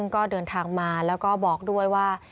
ก็เดินทางมาแล้วก็บอกด้วยว่า